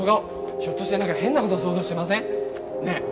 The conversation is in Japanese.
ひょっとして変なこと想像してません？